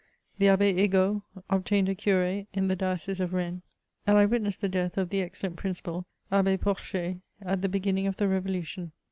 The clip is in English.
The Abb^ Egault obtained a cure in the diocese of Bennes ; and I witnessed the death of the excellent Prindpal, Abb^ Porcher, at the beginning of the Revolution.